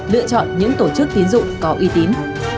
lựa chọn những tổ chức tín dụng có uy tín